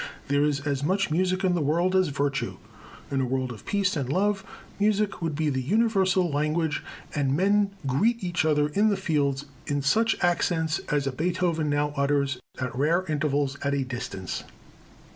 There is as much music in the world as virtue. In a world of peace and love music would be the universal language and men greet each other in the fields in such accents as a Beethoven now utters at rare intervals at a distance."